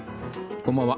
こんばんは。